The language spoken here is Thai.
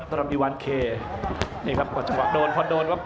ต้อนรันอีวัลเคนี่ครับก่อนจังหวังโดนพอโดนครับ